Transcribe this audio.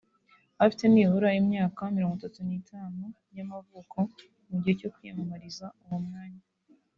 afite nibura imyaka mirongo itatu n‟itanu ( y‟amavuko mu gihe cyo kwiyamamariza uwo mwanya